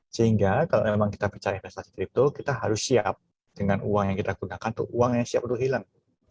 sehingga kalau memang kita percaya investasi kripto kita harus siap dengan uang yang kita gunakan atau uang yang siap untuk hilang